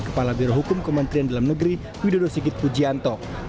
kepala birohukum kementerian dalam negeri widodo sigit pujianto